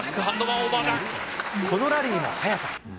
このラリーも早田。